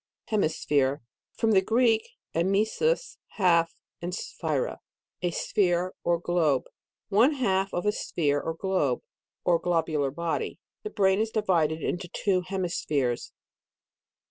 HEMISPHERE From the Greek einisus, half, and sphaira, sphere or globe. One half of a sphere or globe, or globular body ; the brain is divided into two hemispheres.